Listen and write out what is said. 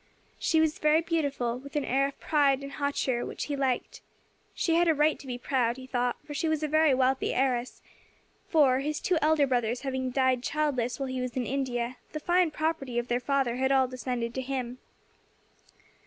She was very beautiful, with an air of pride and hauteur which he liked. She had a right to be proud, he thought, for she was a very wealthy heiress, for, his two elder brothers having died childless while he was in India, the fine property of their father had all descended to him.